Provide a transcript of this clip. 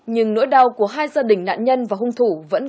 nhưng nỗi đau của hai gia đình nạn nhân và hung thủ vẫn còn